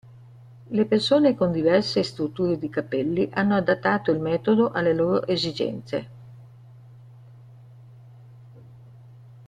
Le persone con diverse strutture di capelli hanno adattato il metodo alle loro esigenze.